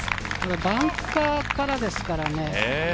バンカーからですからね。